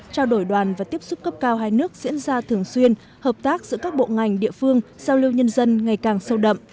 trao đổi đoàn và tiếp xúc cấp cao hai nước diễn ra thường xuyên hợp tác giữa các bộ ngành địa phương giao lưu nhân dân ngày càng sâu đậm